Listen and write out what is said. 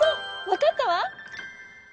わかったわ！